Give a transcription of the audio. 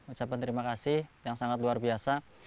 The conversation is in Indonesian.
ucapan terima kasih yang sangat luar biasa